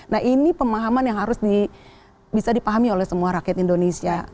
nah ini pemahaman yang harus bisa dipahami oleh semua rakyat indonesia